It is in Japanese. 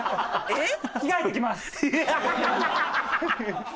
えっ？